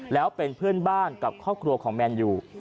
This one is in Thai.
แล้วเป็นเพื่อนบ้านกับครอบครัวของแมนยู